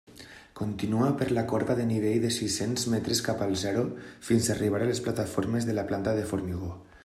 Continua per la corba de nivell de sis-cents metres cap al zero fins a arribar a les plataformes de la planta de formigó.